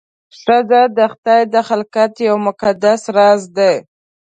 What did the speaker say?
ښځه د خدای د خلقت یو مقدس راز دی.